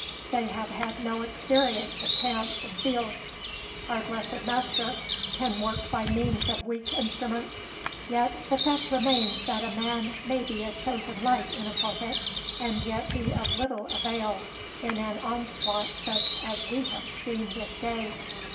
they have had no experience of camps and fields. Our blessed Master can work by means of weak instruments, yet the fact remains that a man may be a chosen light in a pulpit, and yet be of little avail in an onslaught such as we have seen this day.